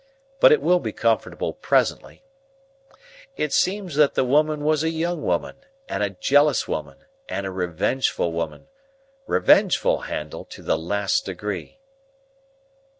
but it will be comfortable presently,—it seems that the woman was a young woman, and a jealous woman, and a revengeful woman; revengeful, Handel, to the last degree."